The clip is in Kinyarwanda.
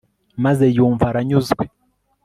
maze yumva aranyuzwe